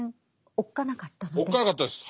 おっかなかったです。